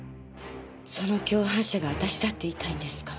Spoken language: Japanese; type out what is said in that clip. その共犯者が私だって言いたいんですか？